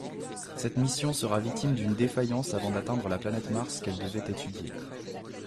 Cette mission sera victime d'une défaillance avant d'atteindre la planète Mars qu'elle devait étudier.